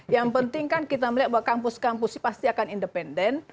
yang penting kan kita melihat bahwa kampus kampus pasti akan independen